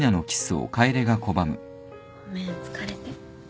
ごめん疲れて。